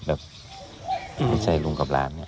ไม่ใช่ลุงกับล้าน